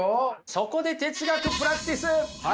そこで哲学プラクティス。